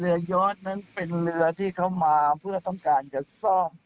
ยอดนั้นเป็นเรือที่เข้ามาเพื่อต้องการจะซ่อม